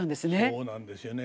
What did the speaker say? そうなんですよね。